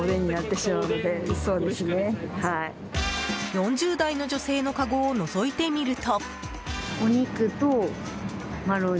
４０代の女性のかごをのぞいてみると。